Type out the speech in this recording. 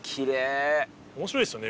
面白いですよね